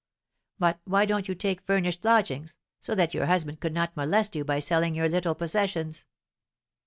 But why don't you take furnished lodgings, so that your husband could not molest you by selling your little possessions?"